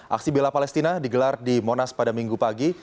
aksi bela palestina digelar di monas pada minggu pagi